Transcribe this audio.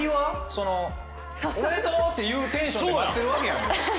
おめでとう！っていうテンションで待ってるわけやん。